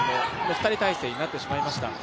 ２人態勢になってしまいました。